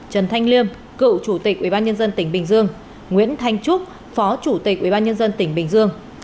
trần thanh liêm cựu chủ tịch ủy ban nhân dân tỉnh bình dương nguyễn thanh trúc phó chủ tịch ủy ban nhân dân tỉnh bình dương